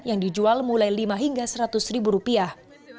yang dijual mulai lima hingga seratus ribu rupiah